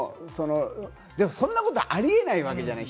でも、そんなこと、ありえないわけじゃない。